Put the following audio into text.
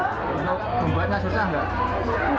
untuk pembuatnya susah enggak